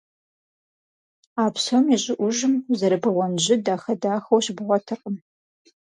А псом и щӀыӀужым узэрыбэуэн жьы дахэ-дахэу щыбгъуэтыркъым.